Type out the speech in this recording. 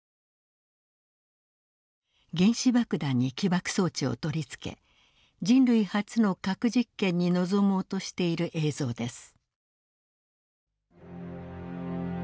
原子爆弾に起爆装置を取り付け人類初の核実験に臨もうとしている映像です。